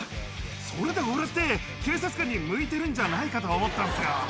それで、俺って警察官に向いてるんじゃないかと思ったんすよ。